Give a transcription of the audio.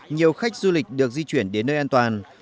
nhiều khách du lịch được di chuyển đến nơi an toàn